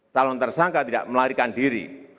calon tersangka tidak melarikan diri